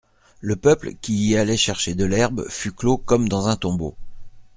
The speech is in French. Le peuple, qui y allait chercher de l'herbe, fut clos comme dans un tombeau.